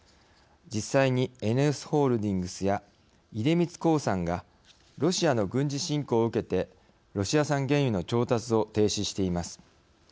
実際にＥＮＥＯＳホールディングスや出光興産がロシアの軍事侵攻を受けてロシア産原油の調達を停止しています。